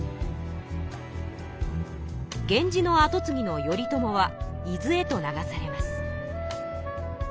源氏のあとつぎの頼朝は伊豆へと流されます。